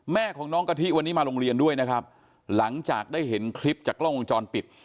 แม่ของน้องกะทิวันนี้มาโรงเรียนด้วยนะครับหลังจากได้เห็นคลิปจากกล้องวงจรปิด